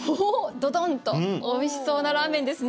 ドドンとおいしそうなラーメンですね。